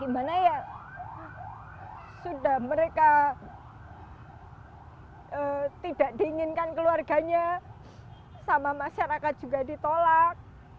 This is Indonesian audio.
dimana ya sudah mereka tidak diinginkan keluarganya sama masyarakat juga ditolak